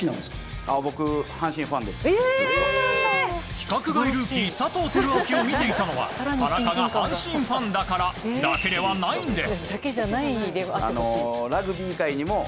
規格外ルーキー佐藤輝明を見ていたのは田中が阪神ファンだからだけではないんです。